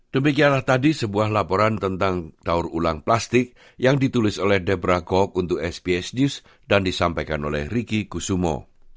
demikianlah tadi sebuah laporan tentang daur ulang plastik yang ditulis oleh debra golk untuk sps dan disampaikan oleh riki kusumo